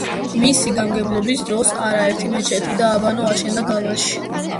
მისი გამგებლობის დროს არაერთი მეჩეთი და აბანო აშენდა გილანში.